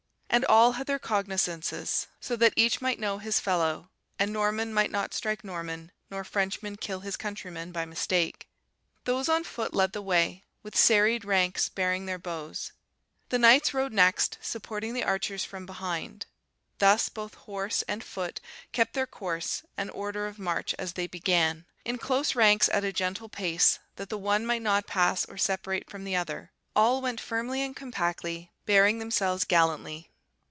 And all had their cognizances, so that each might know his fellow, and Norman might not strike Norman, nor Frenchman kill his countryman by mistake. Those on foot led the way, with serried ranks, bearing their bows. The knights rode next, supporting the archers from behind. Thus both horse and foot kept their course and order of march as they began; in close ranks at a gentle pace, that the one might not pass or separate from the other. All went firmly and compactly, bearing themselves gallantly.